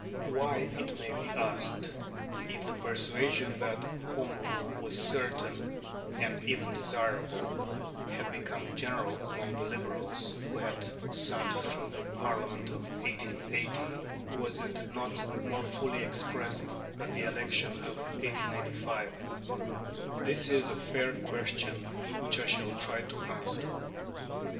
Why, it may be asked, if the persuasion that Home Rule was certain, and even desirable, had become general among the Liberals who had sat through the Parliament of 1880, was it not more fully expressed at the election of 1885? This is a fair question, which I shall try to answer.